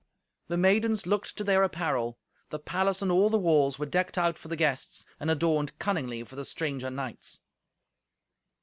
The maidens looked to their apparel. The palace and all the walls were decked out for the guests, and adorned cunningly for the stranger knights.